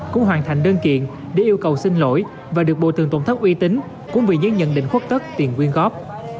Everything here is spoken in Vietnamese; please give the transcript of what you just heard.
cũng hoàn thành đơn kiện để yêu cầu xin lỗi và được bồi thường tổn thất uy tín cũng vì những nhận định khuất tất tiền quyên góp